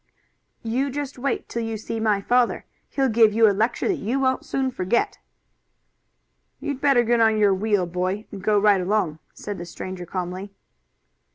"You just wait till you see my father. He'll give you a lecture that you won't soon forget." "You'd better get on your wheel, boy, and go right along," said the stranger calmly.